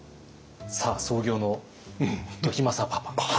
さあ創業の時政パパ。